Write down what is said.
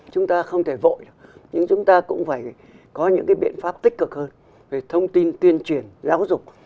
chúng ta không thể vội được nhưng chúng ta cũng phải có những cái biện pháp tích cực hơn về thông tin tuyên truyền giáo dục